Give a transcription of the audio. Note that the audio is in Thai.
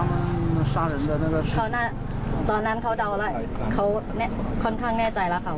ว่าเป็นนั่นในก็มีก็ยังมีหลักออก